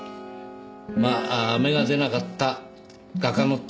まあ芽が出なかった画家の典型ですね。